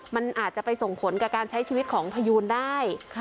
มันอาจจะไปส่งผลกับการใช้ชีวิตของพยูนได้